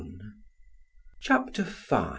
CHAPTER V.